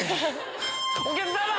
お客様！